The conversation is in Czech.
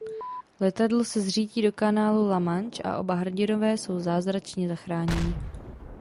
Letadlo se zřítí do kanálu La Manche a oba hrdinové jsou zázračně zachráněni.